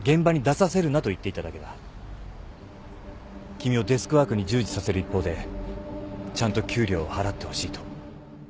君をデスクワークに従事させる一方でちゃんと給料を払ってほしいと。